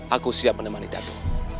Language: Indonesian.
aku siap menemani dato